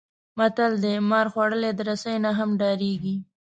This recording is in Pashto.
متل دی: مار خوړلی د رسۍ نه هم ډارېږي.